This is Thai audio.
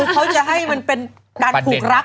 เขาจะให้มันเป็นดันผูกรัก